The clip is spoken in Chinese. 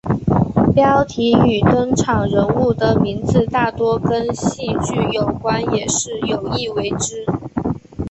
标题与登场人物的名字大多跟戏剧有关也是有意为之。